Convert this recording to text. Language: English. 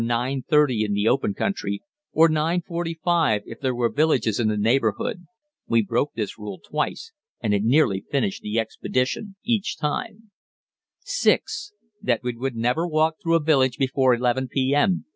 30 in the open country, or 9.45 if there were villages in the neighborhood (we broke this rule twice, and it nearly finished the expedition each time); (6) that we would never walk through a village before 11 p.m.